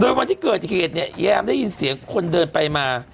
โดยวันที่เกิดเหตุเนี่ยแยมได้ยินเสียงคนเดินไปมา